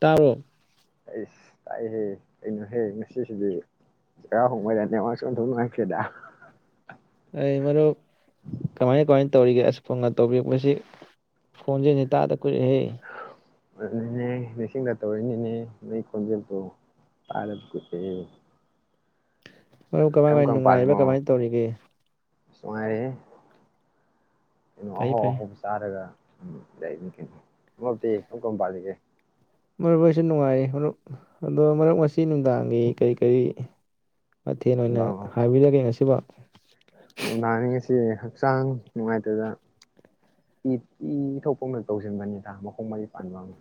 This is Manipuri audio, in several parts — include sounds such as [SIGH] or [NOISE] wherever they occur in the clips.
ꯇꯥꯕ꯭ꯔꯣ ꯑꯩꯁ ꯇꯥꯏꯍꯦ ꯀꯩꯅꯣꯍꯦ ꯉꯁꯤꯁꯤꯗꯤ ꯆꯔꯥꯍꯧꯕꯩꯔ ꯅꯦꯋꯥꯛꯁꯦ ꯑꯣꯟꯊꯣꯛ ꯅꯨꯡꯉꯥꯏꯈ꯭ꯔꯦꯗ ꯑꯩ ꯃꯔꯨꯞ ꯀꯃꯥꯏ ꯀꯃꯥꯏꯅ ꯇꯧꯔꯤꯒꯦ ꯑꯁ ꯐꯣꯟꯒ ꯇꯧꯕꯤꯔꯛꯄꯁꯤ ꯈꯣꯟꯖꯦꯜꯖꯤ ꯇꯥꯗ ꯀꯨꯏꯔꯦꯍꯦ ꯑꯗꯨꯅꯤꯅꯦ ꯅꯤꯡꯁꯤꯗ ꯇꯧꯔꯛ ꯏꯅꯤꯅꯦ ꯅꯣꯏ ꯈꯣꯟꯖꯦꯜꯗꯣ ꯇꯥꯗ ꯀꯨꯏꯔꯦꯅ ꯃꯔꯨꯞ ꯀꯃꯥꯏ ꯀꯃꯥꯏ ꯅꯨꯡꯉꯥꯏꯔꯤꯕ ꯀꯃꯥꯏꯅ ꯇꯧꯔꯤꯒꯦ ꯁ ꯅꯨꯡꯉꯥꯏꯔꯦꯍꯦ ꯀꯩꯅꯣ ꯐꯩ ꯑꯍꯧ ꯐꯩ ꯑꯍꯧꯕ ꯆꯥꯔꯒ ꯌꯥꯅꯤ ꯀꯩꯅꯣ ꯊꯕꯛꯇꯤ ꯀꯝ ꯀꯝ ꯄꯥꯜꯂꯤꯒꯦ ꯃꯔꯨꯞ ꯑꯩꯁꯨ ꯅꯨꯡꯉꯥꯏꯔꯤ ꯃꯔꯨꯞ ꯑꯗꯣ ꯃꯔꯨꯞ ꯉꯁꯤ ꯅꯨꯡꯗꯥꯡꯒꯤ ꯀꯔꯤ ꯀꯔꯤ ꯃꯊꯦꯜ ꯑꯣꯏꯅ ꯍꯥꯕꯤꯔꯒꯦ ꯉꯁꯤꯕꯨ ꯅꯨꯡꯗꯥꯡꯖꯤ ꯉꯁꯤꯖꯦ ꯍꯛꯆꯥꯡ ꯅꯨꯡꯉꯥꯏꯇꯗ ꯏ ꯏ ꯊꯣꯛꯄ ꯑꯃ ꯇꯧꯁꯤꯟꯕꯅꯤꯗ ꯃꯈꯣꯡ ꯃꯔꯤ ꯄꯥꯟꯕ ꯑꯃ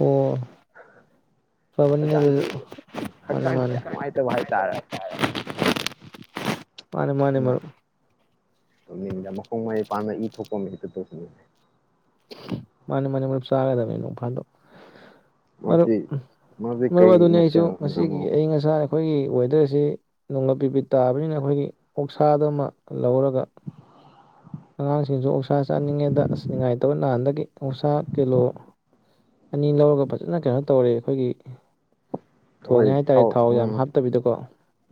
ꯑꯣ ꯐꯕꯅꯤꯅꯦ ꯍꯛꯆꯥꯡꯁꯤ ꯑꯗꯨꯁꯨ ꯃꯥꯟꯅꯤ ꯍꯛꯆꯥꯡꯁꯤ ꯃꯥꯟꯅꯤ ꯀꯌꯥ ꯅꯨꯡꯉꯥꯏꯇꯕ ꯍꯥꯏꯇꯥꯔꯦ ꯃꯥꯟꯅꯤ ꯃꯥꯟꯅꯤ ꯑꯗꯨꯅ ꯃꯔꯨꯞ [UNINTELLIGIBLE] ꯃꯈꯣꯡ ꯃꯔꯤ ꯄꯥꯟꯕ ꯏ ꯊꯣꯛꯄ ꯑꯃ ꯍꯦꯛꯇ ꯇꯧꯁꯤꯜꯂꯦ ꯃꯥꯟꯅꯦ ꯃꯥꯟꯅꯦ ꯃꯔꯨꯞ ꯆꯥꯒꯗꯕꯅꯦ ꯅꯣꯡ ꯐꯥꯗꯣꯛ ꯃꯔꯨꯞ ꯃꯛꯇꯤ ꯃꯛꯇꯤ ꯃꯔꯨꯞ ꯀꯩ ꯑꯗꯨꯅꯤ ꯑꯩꯁꯨ ꯃꯊꯦꯜꯅ ꯉꯁꯤꯒꯤ ꯑꯃꯨꯛ ꯑꯏꯪ ꯑꯁꯥ ꯑꯩꯈꯣꯏꯒꯤ ꯋꯦꯗꯔꯁꯤ ꯅꯣꯡꯒ ꯄꯤꯄꯤꯠ ꯇꯥꯕꯅꯤꯅ ꯑꯈꯣꯏꯒꯤ ꯑꯣꯛꯁꯥ ꯗꯨꯃ ꯂꯧꯔꯒ ꯑꯉꯥꯡꯁꯤꯡꯁꯨ ꯑꯣꯛꯁꯥ ꯆꯥꯅꯤꯡꯉꯦꯗ ꯑꯁ ꯅꯤꯡꯉꯥꯏꯇꯧ ꯅꯍꯥꯟꯗꯒꯤ ꯑꯣꯛꯁꯥ ꯀꯤꯂꯣ ꯑꯅꯤ ꯂꯧꯔꯒ ꯐꯖꯅ ꯀꯩꯅꯣ ꯇꯧꯔꯦ ꯑꯩꯈꯣꯏꯒꯤ ꯊꯣꯡꯉꯦ ꯑꯩꯈꯣꯏ ꯍꯥꯏꯇꯥꯔꯦ ꯊꯥꯎ ꯌꯥꯝ ꯎꯝ ꯍꯥꯞꯇꯕꯤꯗꯀꯣ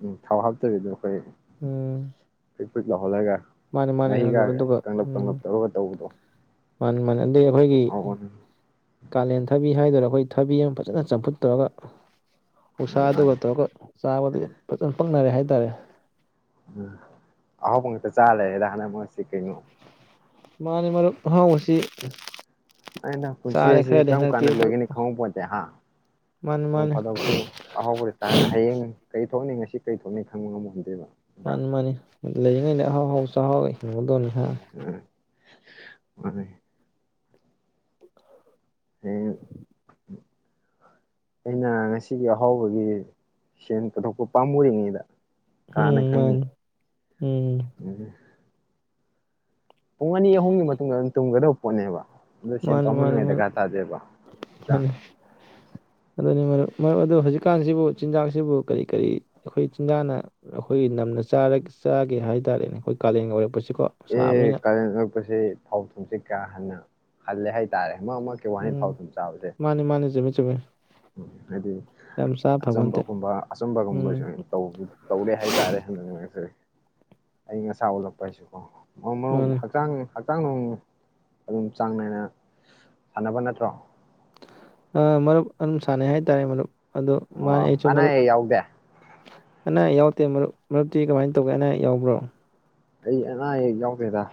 ꯎꯝ ꯊꯥꯎ ꯎꯝ ꯄ꯭ꯔꯤꯛ ꯄ꯭ꯔꯤꯛ ꯂꯥꯎꯍꯜꯂꯒ꯫ ꯃꯥꯅꯦ ꯃꯥꯅꯦ ꯃꯍꯤꯒꯥ ꯑꯗꯨꯒ ꯀꯪꯂꯞ ꯀꯪꯂꯞ ꯇꯧꯔꯒ ꯇꯧꯕꯗꯣ꯫ ꯃꯥꯟꯅꯤ ꯃꯥꯟꯅꯦ ꯑꯗꯩ ꯑꯩꯈꯣꯏꯒꯤ ꯍꯥꯎꯕꯅꯤ ꯀꯥꯂꯦꯟ ꯊꯕꯤ ꯍꯥꯏꯗꯣꯔꯥ ꯑꯩꯈꯣꯏ ꯊꯕꯤ ꯑꯃ ꯐꯖꯅ ꯆꯝꯐꯨꯠ ꯇꯧꯔꯒ ꯑꯣꯛꯁꯥꯗꯨꯒ ꯃꯥꯅꯤ ꯇꯧꯔꯒ ꯆꯥꯕꯗꯨꯗꯤ ꯐꯖꯅ ꯄꯛꯅꯔꯦ ꯍꯥꯏꯇꯥꯔꯦ ꯎꯝ ꯑꯍꯥꯎꯕ ꯉꯥꯛꯇ ꯆꯥꯂꯩꯔꯦꯗ ꯍꯥꯟꯗꯛ ꯃꯔꯛꯁꯤ ꯀꯩꯅꯣ ꯃꯥꯟꯅꯤ ꯃꯔꯨꯞ ꯑꯍꯥꯎꯕꯁꯤ꯫ ꯑꯩꯅ ꯄꯨꯟꯁꯤ ꯆꯥꯔꯦ ꯑꯁꯤ ꯈꯔꯗꯤ ꯀꯔꯝ ꯍꯟꯗꯛꯇꯤ ꯀꯥꯟꯗ ꯑꯗꯨ ꯂꯣꯏꯒꯅꯤ ꯈꯪꯍꯧ ꯄꯣꯠꯇꯦ ꯍꯥ ꯃꯥꯅꯤ ꯅꯣꯡ ꯃꯥꯅꯤ ꯐꯥꯗꯣꯛꯁꯨ ꯑꯍꯥꯎꯕꯗ [UNINTELLIGIBLE] ꯍꯌꯦꯡ ꯀꯔꯤ ꯊꯣꯛꯅꯤ ꯉꯁꯤ ꯀꯔꯤ ꯊꯣꯛꯅꯤ ꯈꯪꯕ ꯉꯝꯕ ꯍꯧꯅꯗꯦꯕ ꯃꯥꯟꯅꯤ ꯂꯩꯔꯤꯉꯩꯗ ꯑꯍꯥꯎ ꯑꯍꯥꯎ ꯆꯥꯍꯧ [UNINTELLIGIBLE] ꯗꯧꯅꯤ ꯍꯥ ꯃꯥꯟꯅꯤ ꯍꯌꯦꯡ ꯑꯩꯅ ꯉꯁꯤꯒꯤ ꯑꯍꯥꯎꯕꯒꯤ ꯁꯦꯟ ꯄꯨꯊꯣꯛꯄ ꯄꯥꯝꯃꯨꯔꯤꯉꯩꯗ ꯀꯅꯥꯅ ꯎꯝ ꯈꯪꯅꯤ ꯃꯥꯟꯅꯦ ꯎꯝ ꯄꯨꯡ ꯑꯅꯤ ꯑꯍꯨꯝꯒꯤ ꯃꯇꯨꯡꯗ ꯑꯗꯨꯝ ꯇꯨꯝꯒ꯭ꯔꯗꯧ ꯄꯣꯠꯅꯦꯕ ꯗ ꯁꯦꯟ ꯃꯥꯅꯤ ꯃꯥꯅꯤ ꯄꯥꯝꯃꯨꯅꯉꯥꯏ ꯃꯔꯨꯞ ꯗꯀꯥ ꯇꯥꯗꯦꯕ ꯅꯠꯇ꯭ꯔꯥ ꯃꯥꯅꯤ ꯑꯗꯨꯅꯤ ꯃꯔꯨꯞ ꯃꯔꯨꯞ ꯑꯗꯨ ꯍꯧꯖꯤꯛꯀꯥꯟꯁꯤꯕꯨ ꯆꯤꯟꯖꯥꯛꯁꯤꯕꯨ ꯀꯔꯤ ꯀꯔꯤ ꯑꯩꯈꯣꯏ ꯆꯤꯟꯖꯥꯛꯅ ꯑꯩꯈꯣꯏꯒꯤ ꯅꯝꯅ ꯆꯥꯔ ꯆꯥꯒꯦ ꯍꯥꯏ ꯇꯥꯔꯦꯅꯦ ꯈꯣꯏ ꯀꯥꯂꯦꯟꯒ ꯑꯣꯏꯔꯛꯄꯁꯤ ꯑꯦ ꯀꯥꯂꯦꯟ ꯑꯣꯔꯛꯄꯁꯦ ꯊꯥꯎ ꯊꯨꯝꯁꯦ ꯀꯥ ꯍꯟꯅ ꯍꯜꯂꯦ ꯍꯥꯏꯇꯥꯔꯦ ꯃꯔꯛ ꯃꯔꯛꯀꯤ ꯋꯥꯍꯩ ꯊꯥꯎ ꯎꯝ ꯊꯨꯝ ꯆꯥꯕꯁꯦ ꯃꯥꯅꯤ ꯃꯥꯅꯤ ꯆꯨꯝꯃꯤ ꯆꯨꯝꯃꯤ ꯎꯝ ꯍꯥꯏꯗꯤ ꯌꯥꯝ ꯆꯥ ꯐꯕ ꯅꯠꯇꯦ ꯑꯆꯝꯕꯒꯨꯝꯕ ꯑꯆꯝꯕꯒꯨꯝꯕꯁꯨ ꯎꯝ ꯇꯧꯕꯨ ꯇꯧꯔꯦ ꯍꯥꯏꯇꯥꯔꯦ ꯍꯟꯗꯛꯁꯦ ꯑꯌꯤꯡ ꯑꯁꯥ ꯑꯣꯜꯂꯛꯄꯩꯁꯨ ꯑꯣ ꯃꯔꯨꯞ ꯃꯥꯅꯤ ꯍꯛꯆꯥꯡ ꯍꯛꯆꯥꯡ ꯅꯨꯡ ꯑꯗꯨꯝ ꯆꯥꯡ ꯅꯥꯏꯅ ꯁꯥꯟꯅꯕ ꯅꯠꯇ꯭ꯔꯣ ꯑ ꯃꯔꯨꯞ ꯑꯗꯨꯝ ꯁꯥꯟꯅꯩ ꯍꯥꯏꯇꯥꯔꯦ ꯃꯔꯨꯞ ꯑꯗꯣ ꯃꯥꯅꯦ ꯑꯣ ꯑꯩꯁꯨꯨ ꯑꯅꯥ ꯃꯔꯨꯞ ꯑꯌꯦꯛ ꯌꯥꯎꯗꯦ ꯑꯅꯥ ꯌꯥꯎꯇꯦ ꯃꯔꯨꯞ ꯃꯔꯨꯞꯇꯤ ꯀꯃꯥꯏꯅ ꯇꯧꯒꯦ ꯑꯅꯥ ꯑꯌꯦꯛ ꯌꯥꯎꯕ꯭ꯔꯣ ꯑꯩ ꯑꯅꯥꯌꯦꯛ ꯌꯥꯎꯗꯦꯗ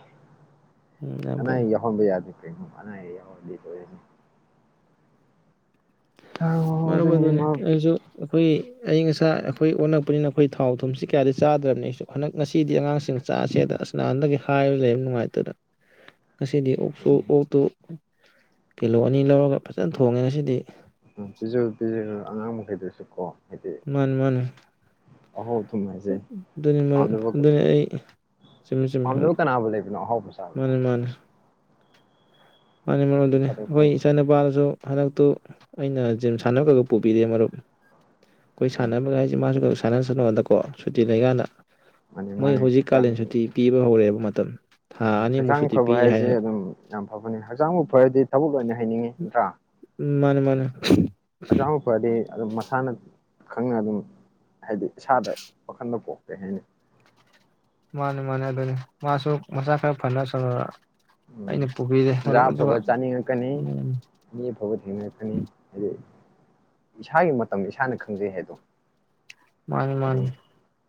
ꯎꯝ ꯌꯥꯝ ꯐꯩ ꯑꯅꯥꯌꯦꯛ ꯌꯥꯎꯍꯟꯕ ꯌꯥꯗꯦ ꯀꯔꯤꯅꯣ ꯑꯅꯥꯌꯦꯛ ꯌꯥꯎꯔꯗꯤ ꯂꯣꯏꯔꯦ꯫ ꯃꯔꯨꯞ ꯑꯗꯨꯅꯤ ꯑꯩꯁꯨ ꯑꯩꯈꯣꯏꯒꯤ ꯑꯏꯪ ꯑꯁꯥ ꯑꯩꯈꯣꯏ ꯑꯣꯟꯂꯛꯄꯅꯤꯅ ꯑꯩꯈꯣꯏ ꯊꯥꯎ ꯊꯨꯝꯁꯤ ꯀꯌꯥꯗꯤ ꯆꯥꯗ꯭ꯔꯕꯅꯤ ꯑꯩꯁꯨ ꯍꯟꯗꯛ ꯉꯁꯤꯗꯤ ꯑꯉꯥꯡꯁꯤꯡ ꯆꯥꯁꯦꯗ ꯑꯁ ꯅꯍꯥꯟꯗꯒꯤ ꯍꯥꯏ ꯂꯩꯕ ꯅꯨꯡꯉꯥꯏꯇꯗ ꯉꯁꯤꯗꯤ ꯑꯣꯛꯁꯨ ꯑꯣꯛꯇꯨ ꯀꯤꯂꯣ ꯑꯅꯤ ꯂꯧꯔꯒ ꯐꯖꯅ ꯊꯣꯡꯉꯦ ꯉꯁꯤꯗꯤ ꯎ ꯄꯤꯖ ꯄꯤꯖ ꯑꯉꯥꯡ ꯃꯈꯩꯗꯨꯁꯨ ꯀꯣ ꯃꯥꯟꯅꯦ ꯃꯥꯟꯅꯦ ꯑꯍꯣꯏ ꯑꯗꯨꯅꯤ ꯃꯔꯨꯞ ꯑꯗꯨꯅꯤ ꯑꯩ ꯆꯨꯝꯃꯤ ꯆꯨꯝꯃꯤ ꯄꯥꯝꯗꯕ ꯀꯅꯥꯕꯨ ꯂꯩꯕꯅꯣ ꯑꯍꯥꯎꯕ ꯆꯥꯕꯗ ꯃꯥꯟꯠꯅꯤ ꯃꯥꯃꯅꯤ ꯃꯥꯟꯅꯤ ꯃꯔꯨꯞ ꯑꯗꯨꯅꯤ ꯐꯥꯗꯣꯛꯁꯨ ꯑꯩꯈꯣꯏ ꯏꯆꯥ ꯅꯨꯄꯥꯗꯁꯨ ꯍꯟꯗꯛꯇꯨ ꯑꯩꯅ ꯖꯤꯝ ꯁꯥꯟꯅꯕꯒ ꯄꯨꯕꯤꯔꯦ ꯃꯔꯨꯞ ꯈꯣꯏ ꯎꯝ ꯁꯟꯅꯟꯅꯉꯥꯏꯁꯦ ꯃꯥꯁꯨ ꯁꯥꯟꯅꯁꯨꯗꯅꯥꯀꯣ ꯁꯨꯇꯤ ꯂꯩꯀꯥꯟꯅ ꯃꯥꯅꯤ ꯃꯣꯏ ꯃꯥꯅꯤ ꯍꯧꯖꯤꯛ ꯀꯥꯂꯦꯟ ꯍꯛꯆꯥꯡ ꯁꯨꯇꯤ ꯄꯤꯕ ꯍꯧꯔꯦꯕ ꯃꯇꯝ ꯊꯥ ꯑꯅꯤꯃꯨꯛ ꯍꯛꯆꯥꯡ ꯁꯨꯇꯤ ꯐꯕ ꯄꯤꯅꯤ ꯍꯥꯏ ꯍꯥꯏꯁꯦ ꯑꯗꯨꯝ ꯌꯥꯝ ꯐꯕꯅꯤ ꯍꯛꯆꯥꯡꯕꯨ ꯐꯔꯗꯤ ꯊꯕꯛ ꯂꯣꯏꯔꯦ ꯃꯥꯟꯅꯦ ꯃꯥꯟꯅꯦ ꯍꯛꯆꯥꯡꯕꯨ ꯐꯔꯗꯤ ꯑꯗꯨꯝ ꯃꯁꯥꯅ ꯈꯪꯅ ꯑꯗꯨꯝ ꯍꯥꯏꯗꯤ ꯏꯁꯥꯗ ꯋꯥꯈꯟꯗ ꯄꯣꯛ ꯀꯩ ꯍꯥꯏꯅꯤ ꯃꯥꯟꯅꯤ ꯃꯥꯟꯅꯦ ꯑꯗꯨꯅꯤ ꯃꯥꯁꯨ ꯃꯁꯥ ꯈꯔ ꯐꯔꯁꯅꯣꯅ ꯎꯝ ꯆꯤꯟꯖꯥꯛ ꯑꯥꯐꯥꯕ ꯆꯥꯅꯤꯡꯉꯛꯀꯅꯤ ꯎꯝ ꯃꯤ ꯑꯐꯕ ꯊꯦꯡꯅꯔꯛꯀꯅꯤ ꯍꯥꯏꯗꯤ ꯏꯁꯥꯒꯤ ꯃꯇꯝ ꯏꯁꯥꯅ ꯈꯪꯖꯩ ꯍꯥꯏꯗꯣ ꯃꯥꯟꯅꯤ ꯑꯗꯨꯅꯤ ꯃꯥꯟꯅꯤ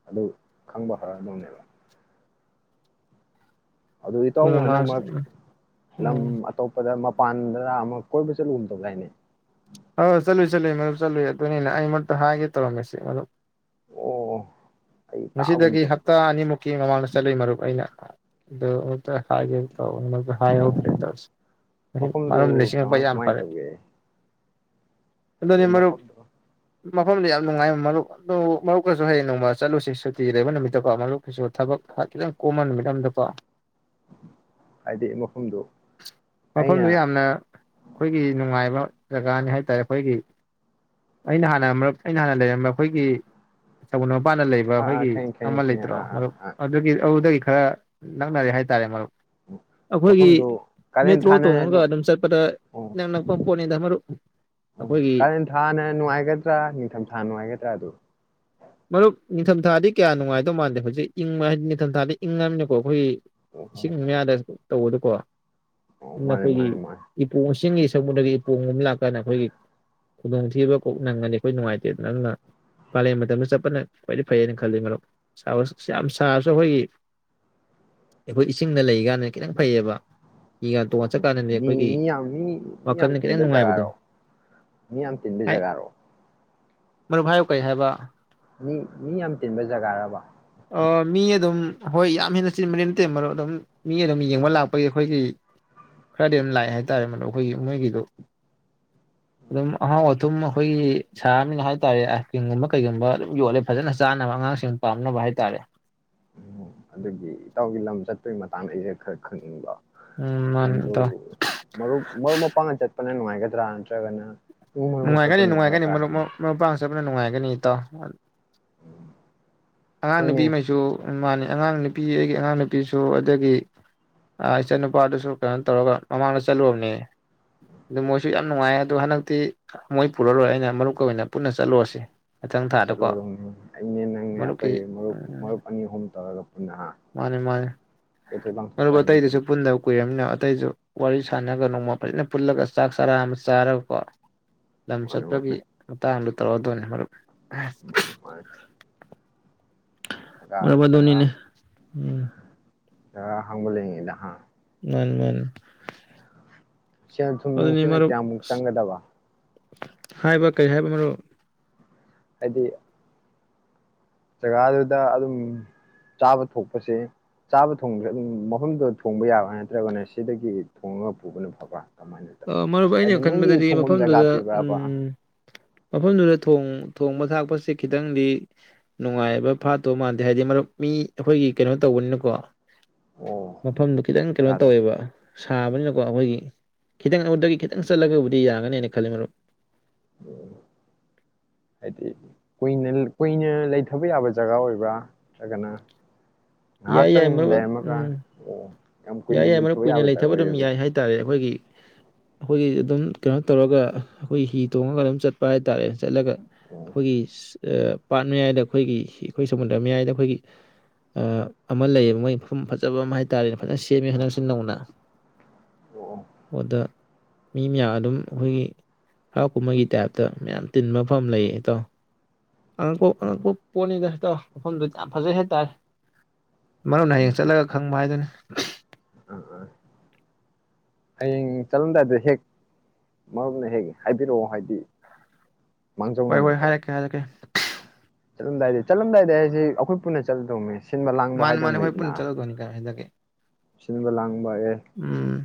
ꯑꯗꯨ ꯈꯪꯕ ꯍꯧꯔꯛꯑꯝꯃꯅꯦꯕ ꯑꯗꯨ ꯏꯇꯥꯎ ꯑꯗꯨꯅ ꯃꯥ ꯍꯟꯗꯛ ꯃꯔꯛ ꯂꯝ ꯎꯝ ꯑꯇꯣꯞꯄꯗ ꯃꯄꯥꯟꯗ ꯑꯃꯛ ꯀꯣꯏꯕ ꯆꯠꯂꯨꯨꯝꯗꯂꯥꯏꯅꯦ ꯍꯣꯏ ꯍꯣꯏ ꯆꯠꯂꯨꯏ ꯆꯠꯂꯨꯏ ꯃꯗꯔꯨꯞ ꯆꯠꯂꯨꯏ ꯑꯗꯨꯅꯤꯅ ꯑꯩ ꯃꯔꯨꯠꯇ ꯍꯥꯏꯒꯦ ꯇꯧꯔꯝꯃꯤꯁꯤ ꯃꯗꯨ ꯑꯣ ꯑꯩ ꯇꯥꯒꯨꯝ ꯉꯁꯤꯗꯒꯤ ꯍꯞꯇꯥ ꯇꯧꯕ ꯑꯅꯤꯃꯨꯛꯀꯤ ꯃꯃꯥꯡꯗ ꯆꯠꯂꯨꯏ ꯃꯔꯨꯞ ꯑꯩꯅ ꯑꯗꯨ ꯑꯃꯛꯇ ꯍꯥꯏꯒꯦ ꯇꯧꯕꯛꯇ ꯍꯥꯏꯍꯧꯗ꯭ꯔꯦ ꯑꯣ ꯇꯧꯁꯤ ꯃꯔꯨꯞ ꯃꯔꯨꯞꯅꯥ ꯃꯐꯝꯗꯨ ꯅꯤꯡꯁꯤꯡꯉꯛꯄ ꯌꯥꯝ ꯐꯔꯦ ꯍꯧꯖꯤꯛ ꯃꯐꯝꯗ ꯃꯐꯝꯗ ꯌꯥꯝ ꯅꯨꯡꯉꯥꯏꯕ ꯃꯔꯨꯞ ꯑꯗꯨ ꯃꯔꯨꯞꯀꯁꯨ ꯍꯌꯦꯡ ꯅꯣꯡꯃ ꯆꯠꯂꯨꯁꯤ ꯁꯨꯇꯤ ꯂꯩꯕ ꯅꯨꯃꯤꯠꯇꯀꯣ ꯃꯔꯨꯞꯀꯤꯁꯨ ꯊꯕꯛ ꯈꯤꯇꯪ ꯀꯣꯝꯕ ꯅꯨꯃꯤꯠ ꯑꯃꯗꯀꯣ ꯍꯥꯏꯗꯤ ꯃꯐꯝꯗꯣ ꯃꯐꯝꯗꯨ ꯑꯩꯅ ꯌꯥꯝꯅ ꯑꯩꯈꯣꯏꯒꯤ ꯅꯨꯡꯉꯥꯏꯕ ꯖꯒꯥꯅꯤ ꯍꯥꯏꯇꯥꯔꯦ ꯑꯩꯈꯣꯏꯒꯤ ꯑꯩꯅ ꯍꯥꯟꯅ ꯑꯩꯅ ꯍꯥꯟꯅ ꯂꯩꯔꯝꯕ ꯑꯩꯈꯣꯏꯒꯤ ꯁꯃꯨꯗꯔꯥ ꯃꯄꯥꯟꯗ ꯂꯩꯕ ꯑꯥ ꯑꯥ ꯑꯩꯈꯣꯏꯒꯤ ꯈꯪꯉꯦ ꯈꯪꯉꯦ ꯑꯃ ꯈꯪꯉꯦ ꯂꯩꯇ꯭ꯔꯣ ꯑꯥ ꯑꯥ ꯃꯔꯨꯞ ꯑꯥ ꯑꯗꯨꯒꯤ ꯑꯗꯨ ꯈꯔ ꯅꯛꯅꯔꯦ ꯍꯥꯏꯇꯥꯔꯦ ꯃꯔꯨꯞ ꯎ ꯑꯩꯈꯣꯏꯒꯤ ꯃꯐꯝꯗꯨ ꯀꯥꯂꯦꯟ ꯃꯦꯇ꯭ꯔꯣ ꯊꯥꯅ ꯇꯣꯡꯉꯒ ꯑꯗꯨꯝ ꯆꯠꯄꯗ ꯅꯨꯉꯥꯏ ꯏꯅꯛ ꯅꯛꯄ ꯄꯣꯠꯅꯤꯗ ꯃꯔꯨꯞ ꯎ ꯑꯩꯈꯣꯏꯒꯤ ꯀꯥꯔꯦꯟ ꯊꯥꯅ ꯅꯨꯡꯉꯥꯏꯒꯗ꯭ꯔꯥ ꯅꯤꯡꯊꯝꯊꯥꯅ ꯅꯨꯡꯉꯥꯏꯒꯗ꯭ꯔꯥ ꯑꯗꯨ ꯃꯔꯨꯞ ꯅꯤꯡꯊꯝꯊꯥꯗꯤ ꯀꯌꯥ ꯅꯨꯡꯉꯥꯏꯗꯧ ꯃꯥꯟꯗꯦ ꯍꯧꯖꯤꯛ ꯏꯪꯕ ꯍꯥꯏꯗꯤ ꯅꯤꯡꯊꯝꯊꯥꯗꯤ ꯏꯪꯉꯕꯅꯀꯣ ꯑꯩꯈꯣꯏꯒꯤ ꯑꯣ ꯑꯣ ꯏꯁꯤꯡ ꯃꯌꯥꯗꯁꯨ ꯇꯧꯕꯗꯀꯣ ꯑꯣ ꯅ ꯃꯥꯅꯦ ꯑꯩꯈꯣꯏꯒꯤ ꯃꯥꯅꯦ ꯃꯥꯅꯦ ꯏꯄꯨꯁꯤꯡꯒꯤ ꯁꯛꯄꯗꯒꯤ ꯏꯄꯣꯡ ꯅꯨꯃꯤꯠ ꯂꯥꯛꯀꯥꯟꯗ ꯑꯩꯈꯣꯏꯒꯤ ꯈꯨꯗꯣꯡꯊꯤꯕ ꯀꯣꯛ ꯅꯪꯒꯅꯤ ꯑꯩꯈꯣꯏ ꯅꯨꯡꯉꯥꯏꯇꯦꯗ ꯑꯗꯨꯅ ꯀꯥꯂꯦꯟ ꯃꯇꯝꯗ ꯆꯠꯄꯅ ꯈ꯭ꯋꯥꯏꯗꯒꯤ ꯐꯩꯌꯦꯅ ꯈꯜꯂꯤ ꯃꯔꯨꯞ ꯌꯥꯝ ꯁꯥꯔꯁꯨ ꯑꯩꯈꯣꯏꯒꯤ ꯑꯩꯈꯣꯏ ꯏꯁꯤꯡꯅ ꯂꯩꯀꯥꯟꯗ ꯈꯤꯇꯪ ꯐꯩꯌꯦꯕ ꯍꯤꯒ ꯎ ꯇꯣꯡꯉ ꯆꯠꯀꯥꯟꯗꯗꯤ ꯃꯤ ꯑꯩꯈꯣꯏꯒꯤ ꯃꯤ ꯌꯥꯝ ꯃꯤ ꯃꯤ ꯌꯥꯝ ꯋꯥꯈꯜꯅ ꯈꯤꯇꯪ ꯇꯤꯟꯕ ꯅꯨꯡꯉꯥꯏꯕꯗꯣ ꯖꯒꯥꯔꯣ ꯃꯤ ꯌꯥꯝ ꯇꯤꯟꯕ ꯍꯥꯏ ꯖꯒꯥꯔꯣ ꯃꯔꯨꯞ ꯚꯥꯏ ꯀꯩ ꯍꯥꯏꯕ ꯃꯤ ꯃꯤ ꯌꯥꯝ ꯇꯤꯟꯕ ꯖꯒꯥꯔꯕ ꯃꯤ ꯑꯗꯨꯝ ꯍꯣꯏ ꯌꯥꯝ ꯍꯦꯟꯅ ꯆꯤꯟꯕꯗꯤ ꯅꯠꯇꯦ ꯃꯔꯨꯞ ꯑꯗꯨꯝ ꯃꯤ ꯑꯗꯨꯝ ꯌꯦꯡꯕ ꯂꯥꯛꯄꯒꯤ ꯑꯩꯈꯣꯏꯒꯤ ꯈꯔꯗꯤ ꯑꯗꯨꯝ ꯂꯥꯛꯑꯦ ꯍꯥꯏꯇꯥꯔꯦ ꯃꯔꯨꯞ ꯑꯩꯈꯣꯏꯒꯤ ꯃꯣꯏꯒꯤꯗꯨ ꯑꯗꯨꯝ ꯑꯍꯥꯎ ꯑꯊꯨꯝ ꯑꯩꯈꯣꯏꯒꯤ ꯁꯥꯔꯃꯤꯅ ꯍꯥꯏ ꯇꯔꯦ ꯑꯥꯏꯁ ꯀ꯭ꯔꯤꯝꯒꯨꯝꯕ ꯀꯩꯒꯨꯝꯕ ꯑꯗꯨꯝ ꯌꯣꯜꯂꯦ ꯐꯖꯅ ꯆꯥꯅꯕ ꯑꯉꯥꯡꯁꯤꯡ ꯄꯥꯝꯅꯕ ꯍꯥꯏꯇꯥꯔꯦ ꯇꯥꯔꯦ ꯎꯝ ꯑꯗꯨꯒꯤ ꯏꯇꯥꯎꯒꯤ ꯂꯝ ꯆꯠꯄꯒꯤ ꯃꯇꯥꯡꯗ ꯑꯩꯁꯦ ꯈꯔ ꯈꯪꯅꯤꯡꯕ ꯎꯝ ꯃꯥꯅꯤ ꯂꯝꯗꯨ ꯏꯇꯥꯎ ꯃꯔꯨꯞ ꯃꯔꯨꯞ ꯃꯄꯥꯡꯅ ꯆꯠꯄꯅ ꯅꯨꯡꯉꯥꯏ ꯗꯔꯥ ꯅꯥꯠꯇꯔꯒꯅ ꯅꯨꯡꯉꯥꯏꯒꯅꯤ ꯅꯨꯡꯉꯥꯏꯒꯅꯤ ꯃꯔꯨꯞ ꯃꯄꯥꯡ ꯆꯠꯄꯅ ꯅꯨꯡꯉꯥꯏꯒꯅꯤ ꯒꯅꯤ ꯏꯇꯥꯎ ꯑꯉꯥꯡ ꯅꯨꯄꯤ ꯍꯣꯏꯅꯦ ꯃꯩꯁꯨ ꯃꯥꯟꯅꯦ ꯑꯉꯥꯡ ꯅꯨꯄꯤ ꯑꯩꯒꯤ ꯑꯉꯥꯡ ꯅꯨꯄꯤꯁꯨ ꯑꯗꯒꯤ ꯏꯆꯥ ꯅꯨꯄꯥꯗꯨꯁꯨ ꯀꯩꯅꯣ ꯇꯧꯔꯒ ꯃꯃꯥꯡꯗ ꯆꯠꯂꯨꯕꯅꯦ ꯑꯗꯨ ꯃꯣꯏꯁꯨ ꯌꯥꯝ ꯅꯨꯡꯉꯥꯏ ꯑꯗꯣ ꯍꯟꯗꯛꯇꯤ ꯃꯣꯏ ꯄꯨꯔꯔꯣꯏ ꯑꯩꯅ ꯃꯔꯨꯞꯀ ꯑꯣꯏꯅ ꯄꯨꯟꯅ ꯆꯠꯂꯨꯔꯁꯤ ꯃꯊꯪ ꯊꯥꯗꯀꯣ ꯆꯠꯂꯨꯗꯧꯅꯤ ꯑꯩꯅꯦ ꯅꯪꯅꯦ ꯑꯩꯈꯣꯏ ꯃꯔꯨꯞ ꯃꯔꯨꯞ ꯑꯅꯤ ꯑꯍꯨꯝ ꯇꯧꯔꯒ ꯄꯨꯟꯅ ꯃꯥꯟꯅꯦ ꯃꯥꯟꯅꯦ ꯀꯣꯏꯊꯣꯛ ꯂꯥꯡꯊꯣꯛꯄ ꯃꯔꯨꯞ ꯍꯥꯏꯁꯤꯁꯨ ꯑꯇꯩꯗꯨꯁꯨ ꯄꯨꯟꯗꯕ ꯀꯨꯏꯔꯕꯃꯤꯅ ꯑꯇꯩꯁꯨ ꯋꯥꯔꯤ ꯁꯥꯟꯅꯔꯒ ꯅꯣꯡꯃ ꯐꯖꯅ ꯄꯨꯜꯂꯒ ꯆꯥꯛ ꯆꯥꯔꯥ ꯑꯃ ꯆꯥꯔꯒꯀꯣ ꯂꯝ ꯃꯥꯅꯦ ꯆꯠꯄꯒꯤ ꯃꯥꯅꯦ ꯃꯇꯥꯡꯗꯣ ꯇꯧꯔꯗꯣꯏꯅꯦ ꯃꯔꯨꯞ ꯃꯥꯟꯅꯦ ꯃꯥꯟꯅꯦ ꯃꯔꯨꯞ ꯑꯗꯨꯨꯅꯤꯅꯦ ꯑ ꯖꯥꯒ ꯑꯍꯥꯡꯕ ꯂꯩꯔꯤꯉꯩꯗ ꯍꯥ ꯃꯥꯅꯤ ꯃꯥꯅꯤ ꯁꯦꯜ ꯊꯨꯝ ꯑꯗꯨꯅꯤ ꯅꯨꯡꯁꯤꯅ ꯃꯔꯨꯞ ꯀꯌꯥꯃꯨꯛ ꯆꯪꯒꯗꯕ ꯍꯥꯏꯕ ꯀꯔꯤ ꯍꯥꯏꯕ ꯃꯔꯨꯞ ꯍꯥꯏꯗꯤ ꯖꯒꯥꯗꯨꯗ ꯑꯗꯨꯝ ꯆꯥꯕ ꯊꯣꯡꯄꯁꯦ ꯆꯥꯕ ꯊꯣꯡꯕꯁꯦ ꯑꯗꯨꯝ ꯃꯐꯝꯗꯨꯗ ꯊꯣꯡꯕ ꯌꯥꯕ ꯅꯠꯇ꯭ꯔꯒꯅ ꯁꯤꯗꯒꯤ ꯊꯣꯡꯉꯒ ꯄꯨꯕꯅ ꯐꯕ꯭ꯔꯥ ꯀꯃꯥꯏꯅ ꯇꯧꯋꯤ ꯃꯔꯨꯞ ꯍꯥꯏꯗꯤ ꯑꯩꯅ ꯃꯣꯏꯒꯤ ꯈꯟꯕꯗꯗꯤ ꯊꯣꯡꯐꯝ ꯖꯒꯥ ꯃꯐꯝꯗꯨꯗ ꯄꯤꯕ꯭ꯔꯕ ꯎꯝ ꯃꯐꯝꯗꯨꯗ ꯊꯣꯡꯕ ꯊꯥꯛꯄꯁꯦ ꯈꯤꯇꯪꯗꯤ ꯅꯨꯡꯉꯥꯏꯕ ꯐꯥꯠꯇꯕ ꯃꯥꯟꯗꯦ ꯍꯥꯏꯗꯤ ꯃꯔꯨꯞ ꯃꯤ ꯑꯩꯈꯣꯏꯒꯤ ꯀꯩꯅꯣ ꯇꯧꯕꯅꯤꯅꯀꯣ ꯑꯣ ꯃꯐꯝꯗꯨ ꯈꯤꯇꯪ ꯀꯩꯅꯣ ꯖꯒꯥꯗꯣ ꯇꯧꯋꯦꯕ ꯁꯥꯕꯅꯤꯅꯀꯣ ꯑꯩꯈꯣꯏꯒꯤ ꯈꯤꯇꯪ ꯑꯗꯨꯗꯒꯤ ꯈꯤꯇꯪ ꯆꯠꯂꯒꯕꯨꯗꯤ ꯌꯥꯒꯅꯦꯅ ꯈꯜꯂꯦ ꯃꯔꯨꯞ ꯎ ꯍꯥꯏꯗꯤ ꯀꯨꯏꯅ ꯂꯩꯊꯕ ꯌꯥꯕ ꯖꯒꯥ ꯑꯣꯏꯕ꯭ꯔꯥ ꯅꯠꯇ꯭ꯔꯒꯅ ꯌꯥꯏ ꯉꯥꯏꯍꯥꯛꯇꯪ ꯌꯥꯏ ꯃꯔꯨꯞ ꯂꯩꯔꯝꯃꯒ ꯎꯝ ꯑꯣ ꯌꯥꯝ ꯌꯥꯏ ꯀꯨꯏꯅ ꯌꯥꯏ ꯃꯔꯨꯞ ꯀꯨꯏꯅ ꯌꯥꯕ ꯖꯒꯥ ꯂꯩꯊꯕ ꯑꯗꯨꯝ ꯑꯣꯏꯌꯦꯕ ꯌꯥꯏ ꯍꯥꯏꯇꯥꯔꯦ ꯑꯩꯈꯣꯏꯒꯤ ꯑꯩꯈꯣꯏꯒꯤ ꯑꯗꯨꯝ ꯀꯩꯅꯣ ꯇꯧꯔꯒ ꯑꯩꯈꯣꯏ ꯍꯤ ꯇꯣꯡꯉꯒ ꯑꯗꯨꯝ ꯆꯠꯄ ꯍꯥꯏꯇꯥꯔꯦ ꯆꯠꯂꯒ ꯑꯣ ꯑꯩꯈꯣꯏꯒꯤ ꯄꯥꯠ ꯃꯌꯥꯏꯗ ꯑꯩꯈꯣꯏꯒꯤ ꯑꯩꯈꯣꯏ ꯁꯃꯨꯗ꯭ꯔ ꯃꯌꯥꯏꯗ ꯑꯩꯈꯣꯏꯒꯤ ꯑꯃ ꯂꯩꯌꯦꯕ ꯃꯣꯏ ꯃꯐꯝ ꯐꯖꯕ ꯑꯃ ꯍꯥꯏꯇꯥꯔꯦ ꯐꯖꯅ ꯁꯦꯝꯃꯦ ꯑꯥ ꯍꯟꯗꯛꯁꯨ ꯅꯧꯅ ꯑꯣ ꯑꯣ ꯑꯗꯥ ꯃꯤ ꯃꯌꯥꯝ ꯑꯗꯨꯝ ꯑꯩꯈꯣꯏꯒꯤ ꯍꯔꯥꯎ ꯀꯨꯝꯍꯩꯒꯤ ꯇꯥꯏꯞꯇ ꯃꯌꯥꯝ ꯇꯤꯟꯕ ꯃꯐꯝ ꯂꯩꯌꯦ ꯏꯇꯥꯑꯣ ꯑꯉꯛꯄ ꯑꯉꯛꯄ ꯄꯣꯠꯅꯤꯗꯇꯣ ꯃꯐꯝꯗꯨ ꯌꯥꯝ ꯐꯖꯩ ꯍꯥꯏꯇꯥꯔꯦ ꯃꯔꯨꯞꯅ ꯍꯌꯦꯡ ꯑꯗꯨꯃꯥꯏꯅ ꯆꯠꯂꯒ ꯈꯪꯕ ꯍꯥꯏꯗꯨꯅꯤ ꯑ ꯑꯥ ꯑꯥ ꯍꯌꯦꯡ ꯆꯠꯂꯝꯗꯥꯏꯗ ꯍꯦꯛ ꯃꯔꯨꯞꯅ ꯍꯦꯛ ꯍꯥꯏꯕꯤꯔꯛꯑꯣ ꯍꯥꯏꯗꯤ ꯍꯣꯏ ꯍꯣꯏ ꯍꯥꯏꯔꯛꯀꯦ ꯍꯥꯏꯔꯛꯀꯦ ꯆꯠꯂꯝꯗꯥꯏꯗꯤ ꯆꯠꯂꯝꯗꯥꯏꯗ ꯍꯥꯏꯁꯤ ꯑꯩꯈꯣꯏ ꯄꯨꯟꯅ ꯆꯠꯂꯗꯧꯅꯤ ꯃꯥꯅꯤ ꯃꯥꯅꯦ ꯑꯩꯈꯣꯏ ꯄꯨꯟꯅ ꯆꯠꯂꯗꯣꯏꯅꯤ ꯀꯩꯅꯣ ꯁꯤꯗꯒꯤ ꯁꯤꯟꯕ ꯂꯥꯡꯕ ꯑꯦ ꯎꯝ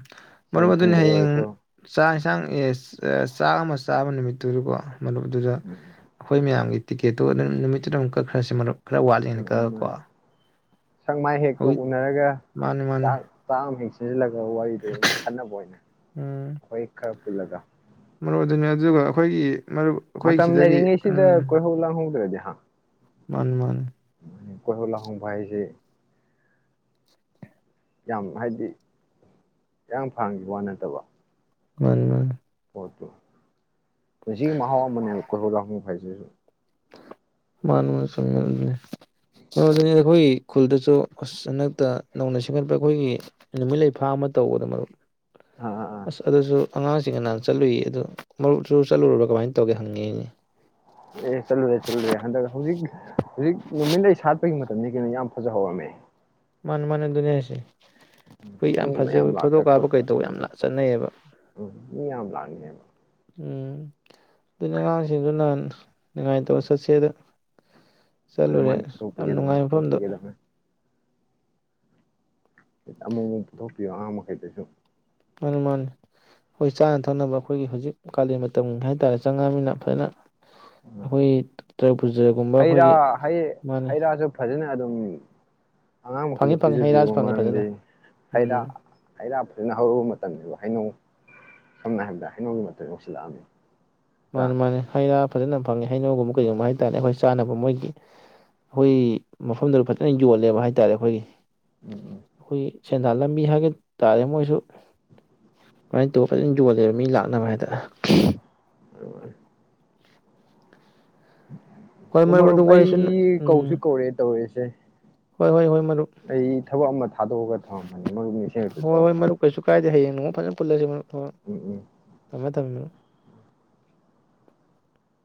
ꯃꯔꯨꯞ ꯁꯦꯟ ꯑꯗꯨꯅꯤ ꯊꯨꯝꯗ ꯍꯌꯦꯡ ꯑꯣꯏꯔꯁꯨ ꯆꯁꯤ ꯌꯦꯟꯁꯥꯡ ꯑꯦ ꯆꯥꯛ ꯑꯃ ꯆꯥꯕ ꯅꯨꯃꯤꯠꯇꯨꯀꯣ ꯃꯔꯨꯞ ꯑꯗꯨꯗ ꯑꯩꯈꯣꯏ ꯃꯌꯥꯝꯒꯤ ꯇꯤꯀꯦꯠꯇꯨ ꯅꯪ ꯅꯨꯃꯤꯠꯇꯨꯗ ꯑꯗꯨꯝ ꯀꯛꯈ꯭ꯔꯁꯤ ꯃꯔꯨꯞ ꯈꯔ ꯋꯥꯠꯂꯤꯉꯩꯗ ꯈꯛꯂ ꯀꯣ ꯁꯛꯃꯥꯏ ꯍꯦꯛꯇꯣ ꯎꯅꯔꯒ ꯃꯥꯅꯤ ꯃꯥꯅꯤ ꯆꯥꯛ ꯆꯥ ꯑꯃ ꯍꯦꯛ ꯂ ꯑꯗꯨꯒ ꯋꯥꯔꯤꯗꯣ ꯑꯣꯏꯅ ꯈꯟꯅꯕ ꯑꯣꯏꯅ ꯎꯝ ꯑꯩꯈꯣꯏ ꯈꯔ ꯄꯨꯜꯂꯒ ꯃꯔꯨꯞ ꯑꯗꯨꯅꯤ ꯑꯗꯨꯒ ꯑꯩꯈꯣꯏꯒꯤ ꯃꯔꯨꯞ ꯑꯩꯈꯣꯏ ꯃꯇꯝ ꯁꯤꯗꯒꯤ ꯂꯩꯔꯤꯉꯩꯁꯤꯗ ꯎꯝ ꯀꯣꯏꯍꯧ ꯂꯥꯡꯍꯧꯗꯔ꯭ꯗꯤ ꯑꯥ ꯃꯥꯅꯤ ꯃꯥꯅꯤ ꯀꯣꯏꯍꯧ ꯂꯥꯍꯧꯕ ꯍꯥꯏꯁꯦ ꯌꯥꯝ ꯍꯥꯏꯗꯤ ꯌꯥꯝ ꯏꯔꯥꯟ ꯐꯥꯂꯥꯡꯒꯤ ꯋꯥ ꯅꯠꯇꯕ ꯃꯥꯅꯤ ꯃꯥꯅꯤ ꯑꯄꯥ ꯄꯟꯁꯤꯒꯤ ꯃꯍꯥꯎ ꯑꯃꯅꯦꯕ ꯀ ꯂ ꯍꯨ ꯐꯥꯏꯁꯤ [UNINTELLIGIBLE] ꯃꯥ ꯆꯨꯝꯅꯤ ꯑꯩꯈꯣꯏꯒꯤ ꯈꯨꯜꯗꯁꯨ ꯑꯁ ꯍꯟꯗꯛꯇ ꯅꯧꯅ ꯁꯦꯝꯒꯠꯄ ꯑꯩꯈꯣꯏꯒꯤ ꯅꯨꯃꯤꯠ ꯂꯩꯐꯥꯝ ꯑꯃ ꯇꯧꯕꯗ ꯃꯔꯨꯞ ꯑꯥ ꯑꯥ ꯑꯥ ꯑꯁ ꯑꯗꯨꯁꯨ ꯑꯉꯥꯡꯁꯤꯡꯒ ꯅꯍꯥꯟ ꯆꯠꯂꯨꯏ ꯑꯗꯨ ꯃꯔꯨꯞꯁꯨ ꯆꯠꯂꯨꯨꯔꯥꯕ ꯀꯃꯥꯏꯅ ꯇꯧꯒꯦ ꯍꯪꯉꯛꯢꯅꯤ ꯑꯦ ꯆꯠꯂꯨꯔꯦ ꯆꯠꯂꯨꯔꯦ ꯍꯟꯗꯛ ꯍꯧꯖꯤꯛ ꯍꯧꯖꯤꯛ ꯅꯨꯃꯤꯠꯂꯩ ꯁꯥꯠ ꯍꯧꯖꯤꯛ ꯃꯇꯝꯗꯤ ꯀꯩꯅꯣ ꯌꯥꯝ ꯐꯖꯍꯧꯔꯝꯃꯦ ꯃꯅꯤ ꯃꯅꯤ ꯑꯥꯗꯨꯅꯤ ꯍꯥꯏꯁꯤ ꯍꯧꯖꯤꯛ ꯌꯥꯝ ꯃꯤ ꯃꯌꯥꯝ ꯐꯖꯩꯌꯦ ꯐꯣꯇꯣ ꯂꯥꯛꯇ ꯀꯥꯞꯄ ꯈꯣꯠꯇ ꯀꯩꯗꯧꯕ ꯎꯝ ꯌꯥꯝꯅ ꯆꯠꯅꯩꯌꯦꯕ ꯊ [UNINTELLIGIBLE] ꯎꯝ ꯑꯗꯨꯅ ꯑꯉꯥꯡꯁꯤꯡꯗꯨ ꯅꯍꯟ ꯅꯤꯡꯉꯥꯏꯇꯧ ꯆꯠꯁꯦꯗ ꯃꯥꯅ ꯆꯠꯂꯨꯔꯦ ꯃꯥꯅ ꯌꯥꯝ ꯄꯨꯊꯣꯛꯄꯤꯒꯗꯕꯅꯤ ꯅꯨꯡꯉꯥꯏ ꯃꯐꯝꯗꯨ ꯄꯨꯊꯣꯛꯄꯤꯒꯗꯕꯅꯤ ꯑꯃꯨꯛꯃꯨꯛ ꯄꯨꯊꯣꯛꯄꯤꯌꯣ ꯑꯉꯥꯡ ꯃꯈꯩꯗꯨꯁꯨ ꯃꯥꯅꯤ ꯃꯥꯅꯤ ꯑꯩꯈꯣꯏ ꯆꯥꯅ ꯊꯛꯅꯕ ꯑꯩꯈꯣꯏꯒꯤ ꯍꯧꯖꯤꯛ ꯀꯥꯂꯦꯟ ꯃꯇꯝ ꯍꯥꯏꯇꯥꯔꯦ ꯆꯪꯉꯝꯃꯤꯅ ꯐꯖꯅ ꯑꯩꯈꯣꯏꯒꯤ ꯇ꯭ꯔꯄꯨꯖ ꯒꯨꯝꯕ ꯍꯩ ꯑꯩꯈꯣꯏꯒꯤ ꯔꯥ ꯍꯩ ꯃꯥꯅꯤ ꯍꯩ ꯔꯥꯁꯨ ꯐꯖꯅ ꯑꯗꯨꯝ ꯑꯉꯥꯡ ꯃꯈꯩꯗꯨ ꯐꯪꯉꯤ ꯐꯪꯉꯤ ꯍꯩ ꯔꯥꯁꯨ ꯄꯤꯖꯕꯤꯌꯨ ꯐꯪꯉꯤ ꯃꯔꯝꯗꯤ ꯐꯖꯅ ꯍꯩꯔꯥ ꯎꯝ ꯍꯩꯔꯥ ꯐꯖꯅ ꯍꯧꯕ ꯃꯇꯝꯅꯤꯕ ꯍꯩꯅꯧ ꯁꯝꯅ ꯍꯥꯏꯔꯕꯗ ꯍꯩꯅꯧꯒꯤ ꯃꯇꯝ ꯌꯧꯁꯤꯜꯂꯛꯑꯝꯅꯤ ꯃꯥꯅꯦ ꯃꯥꯅꯦ ꯍꯩ ꯔꯥ ꯐꯖꯅ ꯐꯪꯉꯦ ꯍꯩꯅꯧꯒꯨꯝꯕ ꯀꯩꯒꯨꯝꯕ ꯍꯥꯏ ꯇꯥꯔꯦ ꯑꯩꯈꯣꯏ ꯆꯥꯅꯕ ꯃꯣꯏꯒꯤ ꯑꯩꯈꯣꯏ ꯃꯐꯝꯗꯨꯗ ꯐꯖꯅ ꯌꯣꯜꯂꯦ ꯍꯥꯏꯇꯥꯔꯦ ꯑꯩꯈꯣꯏꯒꯤ ꯎꯝ ꯎꯝ ꯑꯩꯈꯣꯏꯒꯤ ꯁꯦꯟꯗꯥꯟ ꯂꯝꯕꯤ ꯍꯥꯏꯒ ꯇꯥꯔꯦ ꯃꯣꯏꯁꯨ ꯑꯗꯨꯃꯥꯏꯅ ꯇꯧ ꯐꯖꯅ ꯌꯣꯜꯂꯦꯕ ꯃꯤ ꯂꯥꯛꯅꯕ ꯍꯥꯏꯇꯥꯔꯦ ꯃꯥꯅꯤ ꯃꯥꯅꯤ ꯍꯣꯏ ꯑꯣ ꯃꯔꯨꯞ ꯑꯗꯨ ꯋꯥꯔꯤꯁꯨ ꯑꯩ ꯀꯧꯁꯨ ꯎꯝ ꯀꯧꯔꯛꯑꯦ ꯇꯧꯔꯤꯁꯤ ꯍꯣꯏ ꯍꯣꯏ ꯍꯣꯏ ꯃꯔꯨꯞ ꯑꯩ ꯊꯕꯛ ꯑꯃ ꯊꯥꯗꯣꯛꯑꯒ ꯊꯝꯃꯝꯕꯅꯤ ꯃꯔꯨꯞ ꯅꯤꯡꯁꯤꯡꯉꯛꯇꯅ ꯍꯣꯏ ꯍꯣꯏ ꯇꯧꯔꯛꯄꯅꯤ ꯃꯔꯨꯞ ꯀꯩꯁꯨ ꯀꯥꯏꯗꯦ ꯍꯩꯌꯦꯡ ꯅꯣꯡꯃ ꯐꯖꯅ ꯄꯨꯜꯂꯁꯤ ꯃꯔꯨꯞ ꯍꯣꯏ ꯎꯝ ꯎꯝ ꯊꯝꯃꯦ ꯊꯝꯃꯦ ꯃꯔꯨꯞ